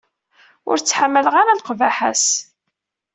Ur ttḥamaleɣ ara leqbaḥa-s.